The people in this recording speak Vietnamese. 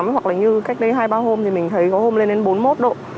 hoặc là như cách đây hai ba hôm thì mình thấy có hôm lên đến bốn mươi một độ